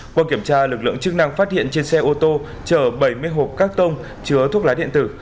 qua kiểm tra lực lượng chức năng phát hiện trên xe ô tô chở bảy mươi hộp các tông chứa thuốc lá điện tử